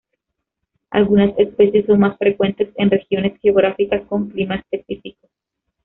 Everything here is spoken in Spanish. Algunas especies son más frecuentes en regiones geográficas con clima específico.